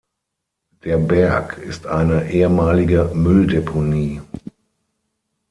Der Berg ist eine ehemalige Mülldeponie.